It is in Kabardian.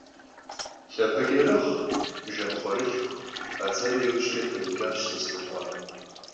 Lhapeç'erıxh - jjemıxhuerılhxu – a ts'eri yiujç'e tê'uç'aş Sosrıkhue.